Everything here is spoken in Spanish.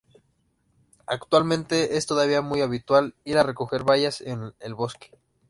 Actualmente es todavía muy habitual ir a recoger bayas en el bosque.